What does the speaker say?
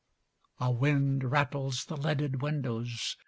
A wind rattles the leaded windows.